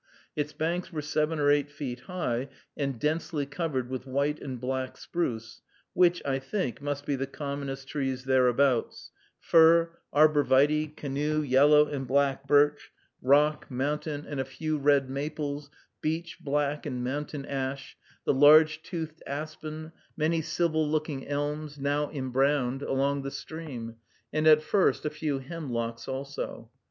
Its banks were seven or eight feet high, and densely covered with white and black spruce, which, I think, must be the commonest trees thereabouts, fir, arbor vitæ, canoe, yellow and black birch, rock, mountain, and a few red maples, beech, black and mountain ash, the large toothed aspen, many civil looking elms, now imbrowned, along the stream, and at first a few hemlocks also.